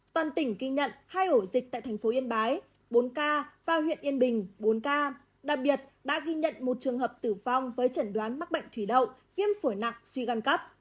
toàn tỉnh ghi nhận hai ổ dịch tại thành phố yên bái bốn ca và huyện yên bình bốn ca đặc biệt đã ghi nhận một trường hợp tử vong với chẩn đoán mắc bệnh thủy đậu viêm phổi nặng suy gan cấp